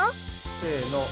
せの！